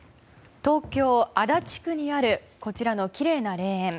東京・足立区にあるこちらのきれいな霊園。